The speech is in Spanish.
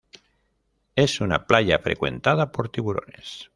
Es una playa frecuentada por tiburones.